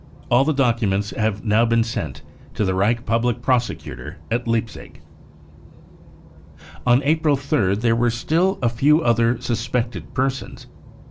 Ail the documents have now been sent to the Reich Public Prosecutor at Leipzig." r On April 3rd there were still " a few other suspected persons."